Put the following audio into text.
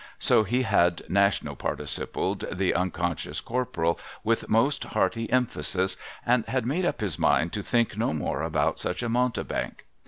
So he had National Participled the un conscious Corporal with most hearty emphasis, and had made up his mind to think no more about such a mountebank.